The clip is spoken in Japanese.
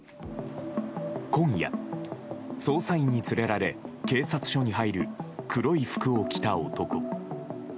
今夜、捜査員に連れられ警察署に入る黒い服を着た男。